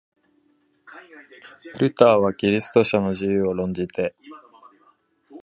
ルターはキリスト者の自由を論じて、